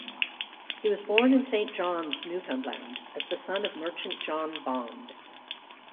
He was born in Saint John's, Newfoundland, as the son of merchant John Bond.